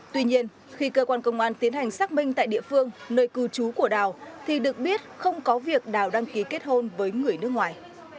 tuy nhiên khi cơ quan công an tiến hành xác minh tại địa phương nơi cư trú của đào thì được biết không có việc đào đăng ký kết hôn với người nước ngoài